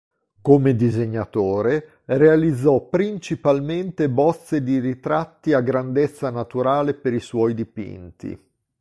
Come disegnatore, realizzò principalmente bozze di ritratti a grandezza naturale per i suoi dipinti.